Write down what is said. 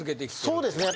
そうですね。